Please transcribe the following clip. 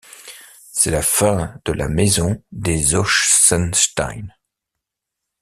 C'est la fin de la maison des Ochsenstein.